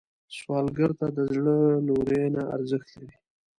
سوالګر ته د زړه لورینه ارزښت لري